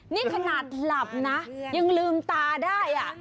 นี่ขนาดหลับนะยังลืมตาได้